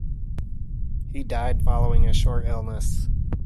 He died following a short illness.